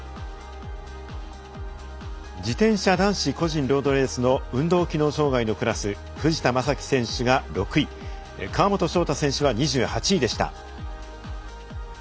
自転車男子個人ロードレースの運動機能障がいのクラス藤田征樹選手が６位川本翔大選手は２８位でした。